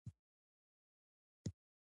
غوښه هګۍ لوبیا او نخود د پروټین ښې سرچینې دي